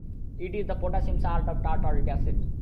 It is the potassium salt of tartaric acid.